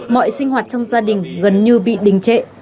mọi sinh hoạt trong gia đình gần như bị đình trệ